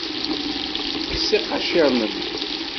Kkset iqaciren-nwen.